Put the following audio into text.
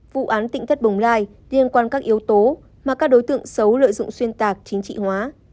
vụ án tỉnh thất bồng lai liên quan các yếu tố mà các đối tượng xấu lợi dụng xuyên tạc chính trị hóa